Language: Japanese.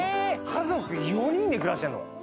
家族４人で暮らしてんの？